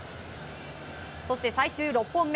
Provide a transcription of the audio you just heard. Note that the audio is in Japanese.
そして最終６本目。